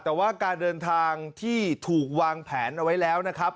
แต่ว่าการเดินทางที่ถูกวางแผนเอาไว้แล้วนะครับ